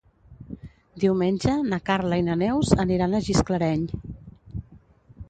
Diumenge na Carla i na Neus aniran a Gisclareny.